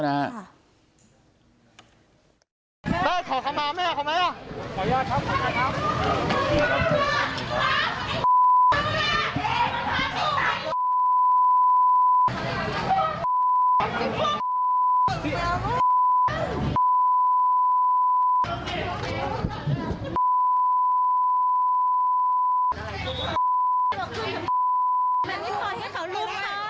แม่ขอเข้ามาแม่ขอเข้ามาขออนุญาตครับขออนุญาตครับ